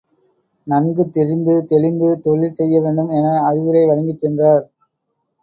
நன்கு தெரிந்து தெளிந்து தொழில் செய்யவேண்டும் என அறிவுரை வழங்கிச் சென்றார்.